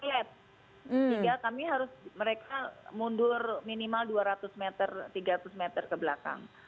sehingga kami harus mereka mundur minimal dua ratus meter tiga ratus meter ke belakang